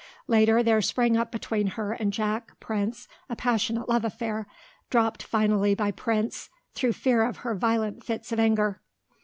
Later there sprang up between her and Jack Prince a passionate love affair, dropped finally by Prince through fear of her violent fits of anger.